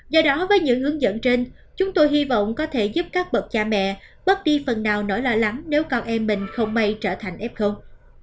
do đó với những hướng dẫn trên chúng tôi hy vọng có thể giúp các bậc cha mẹ bớt đi phần nào nỗi lo lắng nếu con em mình không may trở thành f